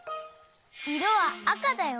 いろはあかだよ。